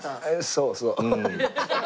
そうそう。